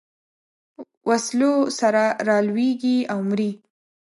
وسلو سره رالویېږي او مري.